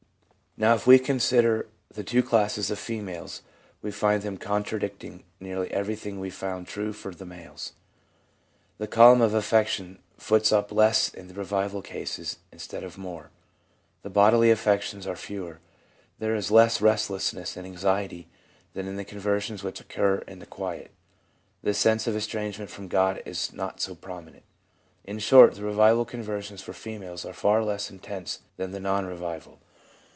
Now, if we consider the two classes of females, we find them contradicting nearly everything we found true for the males. The column of affections foots up less in revival cases instead of more ; the bodily affections are fewer; there is less restlessness and anxiety than in the conversions which occur in the quiet ; the sense of estrangement from God is not so prominent. In short, the revival conversions for females are far less intense than the non revival.